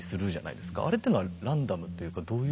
あれっていうのはランダムっていうかどういう。